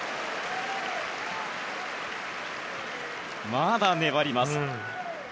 まだ粘ります。